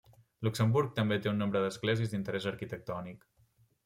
Luxemburg també té un nombre d'esglésies d'interès arquitectònic.